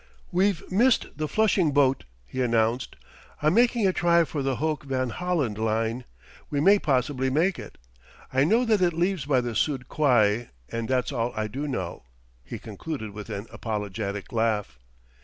"We've missed the Flushing boat," he announced. "I'm making a try for the Hoek van Holland line. We may possibly make it. I know that it leaves by the Sud Quai, and that's all I do know," he concluded with an apologetic laugh.